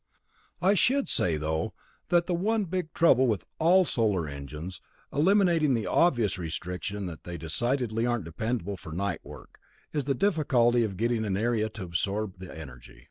I should say, though, that the one big trouble with all solar engines, eliminating the obvious restriction that they decidedly aren't dependable for night work, is the difficulty of getting an area to absorb the energy.